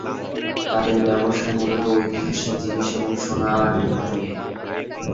তাদের ব্যবসা মূলত ঐতিহাসিক জিনিস এবং সোনা আর রূপা নিয়ে।